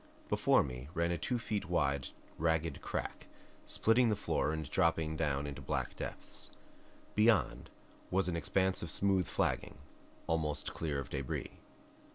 Before me ran a two feet wide ragged crack, splitting the floor and dropping down into black depths. Beyond was an expanse of smooth flagging, almost clear of debris.